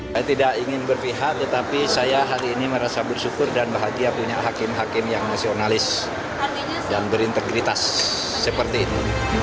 saya tidak ingin berpihak tetapi saya hari ini merasa bersyukur dan bahagia punya hakim hakim yang nasionalis dan berintegritas seperti ini